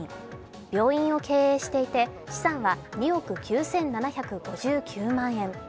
病院を経営していて資産は２億９７５９万円。